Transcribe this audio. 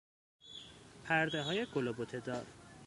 پردههای گل و بتهدار